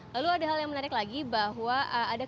lalu ada hal yang menarik lagi bahwa ada